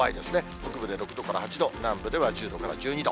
北部で６度から８度、南部では１０度から１２度。